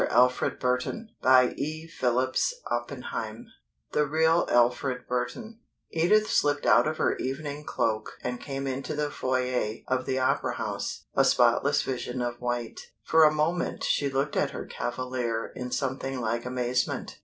"Poor old Burton!" CHAPTER XXVIII THE REAL ALFRED BURTON Edith slipped out of her evening cloak and came into the foyer of the Opera House, a spotless vision of white. For a moment she looked at her cavalier in something like amazement.